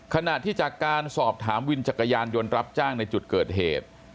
ขณะที่จากการสอบถามวินจักรยานยนต์รับจ้างในจุดเกิดเหตุ